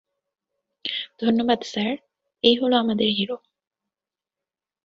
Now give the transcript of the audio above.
ধন্যবাদ স্যার এই হলো আমাদের হিরো।